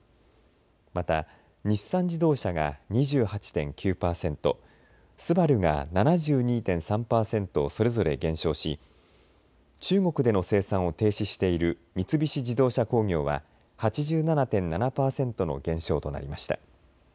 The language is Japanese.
また日産自動車が２８．９％、ＳＵＢＡＲＵが７２．３％それぞれ減少し中国での生産を停止している三菱自動車工業は８７．７％の減少となりました。